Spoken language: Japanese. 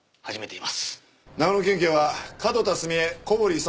長野県警は角田澄江・小堀功